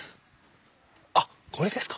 あっこれですか。